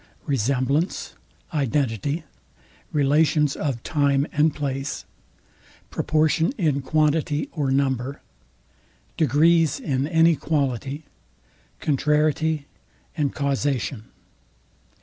RESEMBLANCE, IDENTITY, RELATIONS OF TIME AND PLACE, PROPORTION IN QUANTITY OR NUMBER, DEGREES IN ANY QUALITY, CONTRARIETY and CAUSATION.